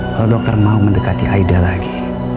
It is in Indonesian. kalau dokter mau mendekati aida lagi